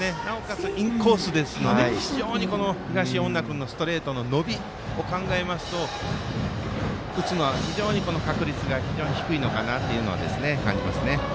なおかつ、インコースですので東恩納君のストレートの伸びを考えますと打つのは非常に確率が低いのかなというのは感じますね。